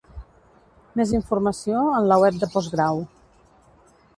Més informació en la Web de Postgrau.